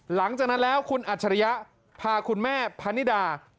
หลังจากนั้นแล้วคุณอัจฉริยะพาคุณแม่พนิดา